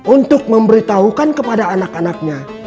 untuk memberitahukan kepada anak anaknya